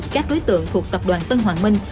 các đối tượng thuộc tập đoàn tân hoàng minh